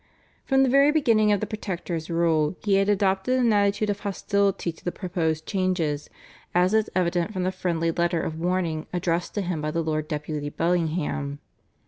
From the very beginning of the Protector's rule he had adopted an attitude of hostility to the proposed changes, as is evident from the friendly letter of warning addressed to him by the Lord Deputy Bellingham.